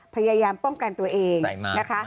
พยายามป้องกันตัวเองนะคะ